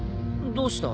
どうした？